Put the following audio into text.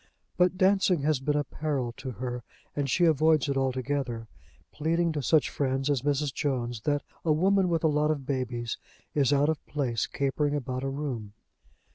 But dancing has been a peril to her, and she avoids it altogether, pleading to such friends as Mrs. Jones that a woman with a lot of babies is out of place capering about a room.